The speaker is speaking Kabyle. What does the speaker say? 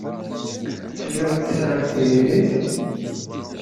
Tellamt tesɛamt tiririt?